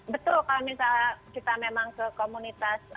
betul kalau misalnya kita memang ke komunitas